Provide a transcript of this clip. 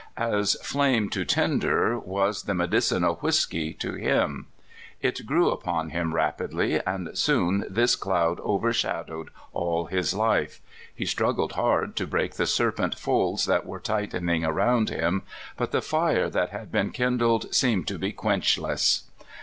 As flame to tinder, was the medicinal whisky to him. It grew upon him rapidly, and soon this cloud overshadowed all his life. He struggled hard to break the serpent folds that were tightening around him ; but the fire that had been kindled seemed to be quenchless.